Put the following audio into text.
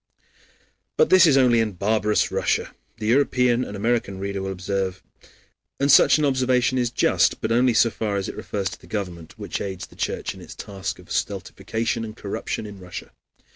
But this is only in barbarous Russia, the European and American reader will observe. And such an observation is just, but only so far as it refers to the government, which aids the Church in its task of stultification and corruption in Russia.